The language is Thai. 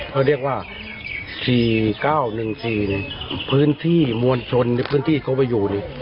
ก็ได้แบบว่า๔๙๑๔พื้นที่มวลชนเป็นที่เขาอยู่